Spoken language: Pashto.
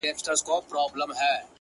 • گلي؛